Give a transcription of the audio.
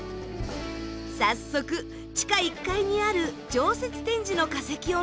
早速地下１階にある常設展示の化石を見てみましょう。